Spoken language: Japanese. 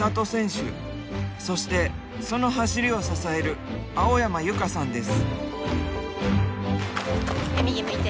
そしてその走りを支える青山由佳さんです。